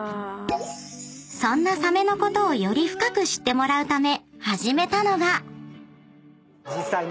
［そんなサメのことをより深く知ってもらうため始めたのが］